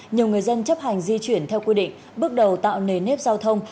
nhiều người dân chấp hành di chuyển theo quy định bước đầu tạo nề nếp giao thông